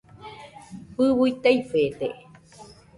Fɨui taifede